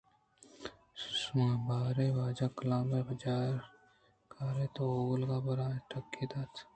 شما باریں واجہ کلام ءَپجّاہ کاراِت ؟ اولگا ءَبلاہیں ٹہکے دات